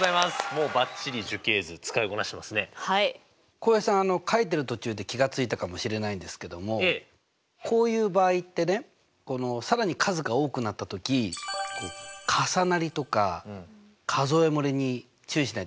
浩平さん書いてる途中で気が付いたかもしれないんですけどもこういう場合ってね更に数が多くなった時重なりとか数えもれに注意しないといけませんよね。